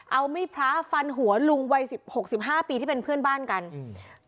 เอามีดพระฟันหัวลุงวัยสิบหกสิบห้าปีที่เป็นเพื่อนบ้านกันอืม